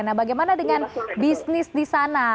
nah bagaimana dengan bisnis di sana